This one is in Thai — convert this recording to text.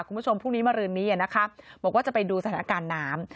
คุณผู้ชมพรุ่งนี้มารืนนี้นะคะบอกว่าจะไปดูสถานการณ์น้ำ